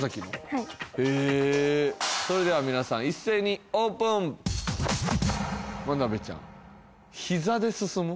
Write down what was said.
はいそれでは皆さん一斉にオープン間鍋ちゃんひざで進む？